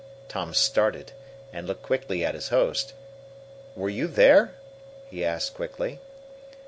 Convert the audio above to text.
Tom started, and looked quickly at his host. "Were you there?" he asked quickly.